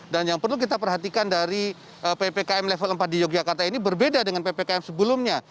dan yang perlu kita perhatikan dari ppkm level empat di yogyakarta ini berbeda dengan ppkm sebelumnya